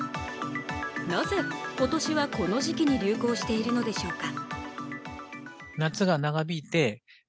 なぜ今年はこの時期に流行しているのでしょうか。